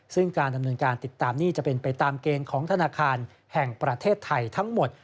ซึ่งการดำเนินการติดตามหนี้จะเป็นไปตามเกณฑ์ของธนาคารแห่งประเทศไทยทั้งหมด